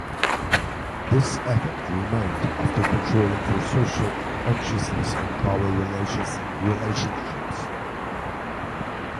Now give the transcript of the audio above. This effect remained after controlling for social anxiousness and power relations in relationships.